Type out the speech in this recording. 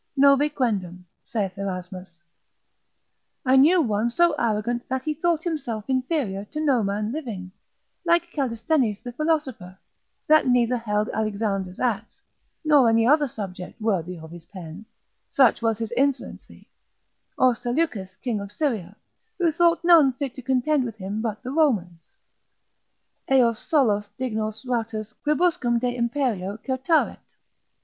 Novi quendam (saith Erasmus) I knew one so arrogant that he thought himself inferior to no man living, like Callisthenes the philosopher, that neither held Alexander's acts, or any other subject worthy of his pen, such was his insolency; or Seleucus king of Syria, who thought none fit to contend with him but the Romans. Eos solos dignos ratus quibuscum de imperio certaret.